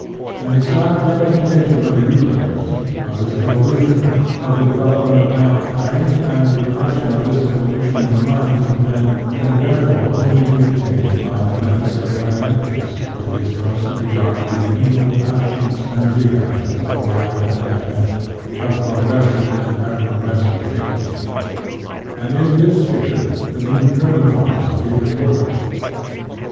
An exact representation of the universe, )f its evolution, of the development of man kind, and of the reflection of this evolution in the minds of men, can therefore only be obtained by the methods of dialectics with its constant regard to the innumerable actions and reactions of life and death, of progressive or retrogressive changes. And in this spirit the new German philosophy has worked.